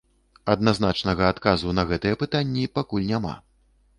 Адназначнага адказу на гэтыя пытанні пакуль няма.